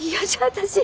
私